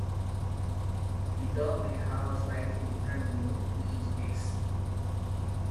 The term may have a slightly different meaning in each case.